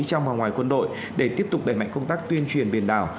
trong và ngoài quân đội để tiếp tục đẩy mạnh công tác tuyên truyền biển đảo